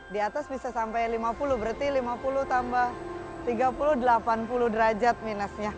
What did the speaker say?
di atas bisa sampai lima puluh berarti lima puluh tambah tiga puluh delapan puluh derajat minusnya